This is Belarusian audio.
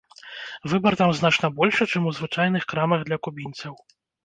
Выбар там значна большы, чым у звычайных крамах для кубінцаў.